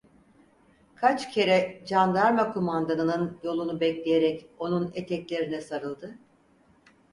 Kaç kere candarma kumandanının yolunu bekleyerek onun eteklerine sarıldı…